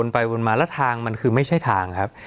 ไปวนมาแล้วทางมันคือไม่ใช่ทางครับ